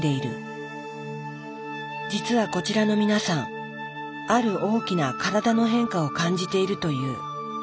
実はこちらの皆さんある大きな体の変化を感じているという。